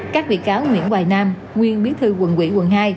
các vị cáo nguyễn hoài nam nguyên biến thư quận quỷ quận hai